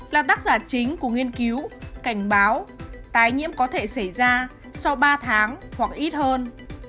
là tác giả chính của nghiên cứu cảnh báo tái nhiễm có thể xảy ra sau ba tháng hoặc ít hơn